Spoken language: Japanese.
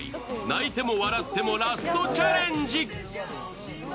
泣いても笑ってもラストチャレンジ。